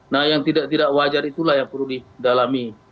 nah yang tidak tidak wajar itulah yang perlu didalami